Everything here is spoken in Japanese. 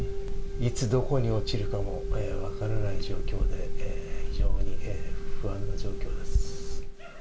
いつ、どこに落ちるかも分からない状況で、非常に不安な状況です。